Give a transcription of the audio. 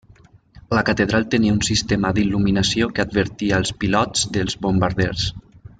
La catedral tenia un sistema d'il·luminació que advertia els pilots dels bombarders.